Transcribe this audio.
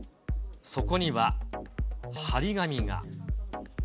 そこには貼り紙が。